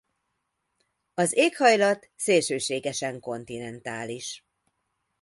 Az éghajlat szélsőségesen kontinentális.